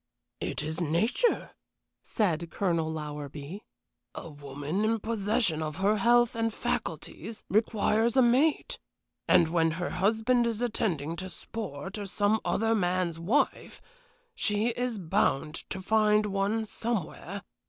"It is nature," said Colonel Lowerby. "A woman in possession of her health and faculties requires a mate, and when her husband is attending to sport or some other man's wife, she is bound to find one somewhere.